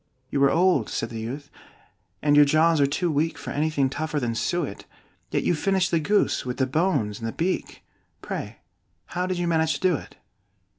"You are old," said the youth, "and your jaws are too weak For anything tougher than suet; Yet you finished the goose, with the bones and the beak: Pray, how did you manage to do it?"